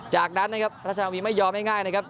จากนั้นนะครับรัชนาวีไม่ยอมง่ายนะครับ